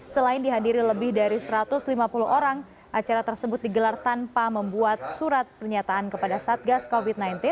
selain dihadiri lebih dari satu ratus lima puluh orang acara tersebut digelar tanpa membuat surat pernyataan kepada satgas covid sembilan belas